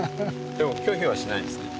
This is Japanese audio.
でも拒否はしないんですね。